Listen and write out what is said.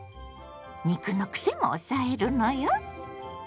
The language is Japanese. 肉のクセも抑えるのよ。